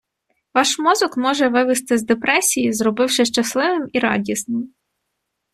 Ваш мозок може вивести з депресії, зробивши щасливим і радісним.